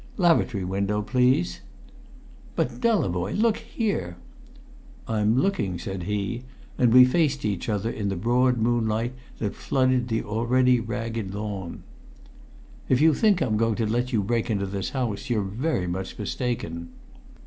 Lavatory window, please!" "But, Delavoye, look here!" "I'm looking," said he, and we faced each other in the broad moonlight that flooded the already ragged lawn. "If you think I'm going to let you break into this house, you're very much mistaken."